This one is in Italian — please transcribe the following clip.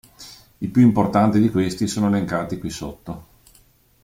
I più importanti di questi sono elencati qui sotto.